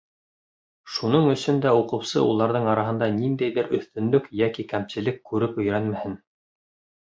Шуның өсөн дә уҡыусы уларҙың араһында ниндәйҙәр өҫтөнлөк йәки кәмселек күреп өйрәнмәһен.